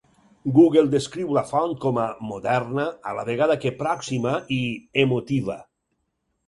Google descriu la font com a "moderna, a la vegada que pròxima" i "emotiva".